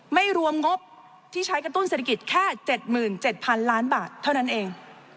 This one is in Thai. ไม่รวมงบที่ใช้กระตุ้นเศรษฐกิจแค่๗๗๐๐๐ล้านบาทเท่านั้นเอง